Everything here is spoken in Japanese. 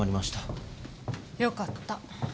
よかった。